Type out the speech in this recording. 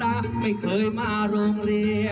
ในเมืองไทย